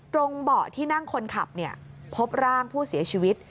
เบาะที่นั่งคนขับพบร่างผู้เสียชีวิต